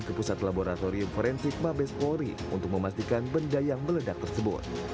ke pusat laboratorium forensik mabes polri untuk memastikan benda yang meledak tersebut